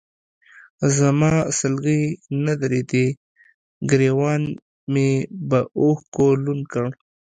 زما سلګۍ نه درېدې، ګرېوان مې به اوښکو لوند کړ.